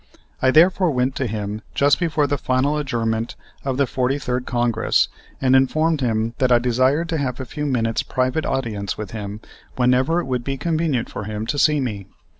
I therefore went to him just before the final adjournment of the 43rd Congress and informed him that I desired to have a few minutes' private audience with him whenever it would be convenient for him to see me.